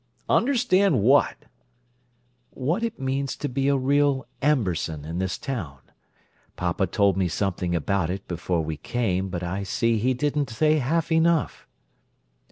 "Understand what?" "What it means to be a real Amberson in this town. Papa told me something about it before we came, but I see he didn't say half enough!"